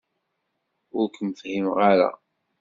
Ur kem-fhimeɣ ara.